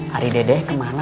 hari dedeh kemana ma